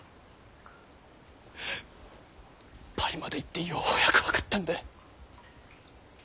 パリまで行ってようやく分かったんだ。